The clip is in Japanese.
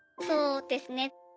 そうですね。